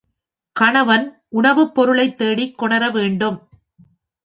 கணவன் உணவுப் பொருளைத் தேடிக் கொணர வேண்டும்.